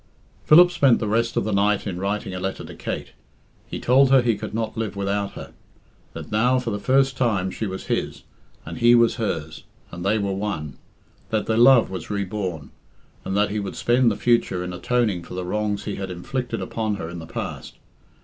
Philip spent the rest of the night in writing a letter to Kate. He told her he could not live without her; that now for the first time she was his, and he was hers, and they were one; that their love was re born, and that he would spend the future in atoning for the wrongs he had inflicted upon her in the past.